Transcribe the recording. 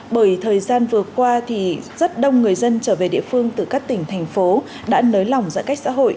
bởi thời gian vừa qua thì rất đông người dân trở về địa phương từ các tỉnh thành phố đã nới lỏng giãn cách xã hội